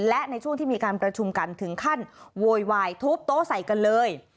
และในช่วงที่มีการประชุมกันถึงขั้นโวยวายทุบโต๊ะใส่กันเลย